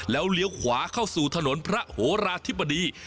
แล้วเลี้ยวขวาเข้าสู่ถนนพระโหราธิบดี